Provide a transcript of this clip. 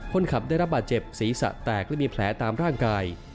คนขับได้รับบาดเจ็บศีรษะแตกและมีแผลตามร่างกาย